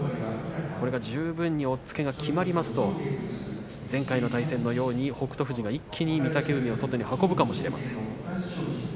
これが十分に押っつけがきまりますと前回の対戦のように北勝富士が一気に御嶽海を外に運ぶかもしれません。